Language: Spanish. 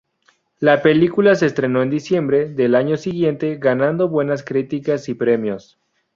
La película se estrenó en diciembre del año siguiente ganando buenas críticas y premios.